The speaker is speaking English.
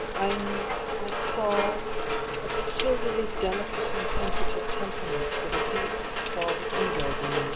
And I saw — a peculiarly delicate and sensitive temperament, with a deep, strong ego beneath.